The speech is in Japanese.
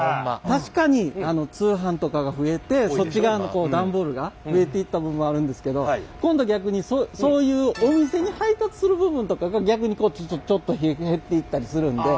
確かに通販とかが増えてそっち側の段ボールが増えていった部分はあるんですけど今度逆にそういうお店に配達する部分とかが逆にちょっと減っていったりするんで。